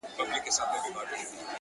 ژر سه ژورناليست يې اوس دې ټول پېژني;